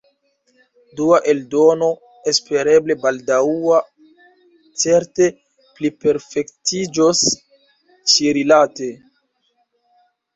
Dua eldono, espereble baldaŭa, certe pliperfektiĝos ĉirilate.